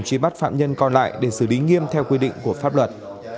truy bắt phạm nhân còn lại để xử lý nghiêm theo quy định của pháp luật